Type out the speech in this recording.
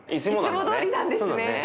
いつもどおりなんですね。